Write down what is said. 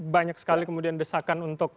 banyak sekali kemudian desakan untuk